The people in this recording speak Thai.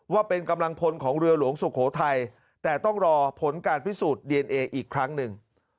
ว่าเป็นกำลังพลของเรือหลวงสุโขทัยแต่ต้องรอผลการพิสูจน์ดีเอนเออีกครั้งหนึ่ง